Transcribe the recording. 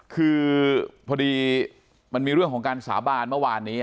คือพอดีมันมีเรื่องของการสาบานเมื่อวานนี้